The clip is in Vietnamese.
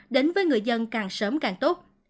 đến với người dân càng sớm càng tốt